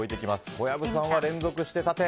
小籔さんは連続して縦！